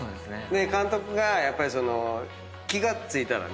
監督がやっぱりその気が付いたのね。